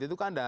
itu kan ada